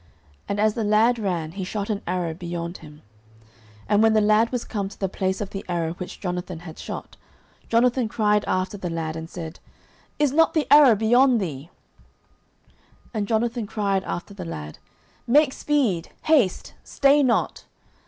And as the lad ran, he shot an arrow beyond him. 09:020:037 And when the lad was come to the place of the arrow which Jonathan had shot, Jonathan cried after the lad, and said, Is not the arrow beyond thee? 09:020:038 And Jonathan cried after the lad, Make speed, haste, stay not.